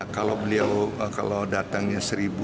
kalau beliau kalau datangnya satu lima ratus